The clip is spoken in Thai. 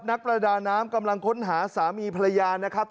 นักประดาน้ำกำลังค้นหาสามีภรรยานะครับ